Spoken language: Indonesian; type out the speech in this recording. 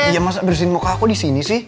iya masa bersihin muka aku disini sih